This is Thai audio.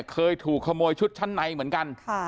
เคยถูกขโมยชุดชั้นในเหมือนกัน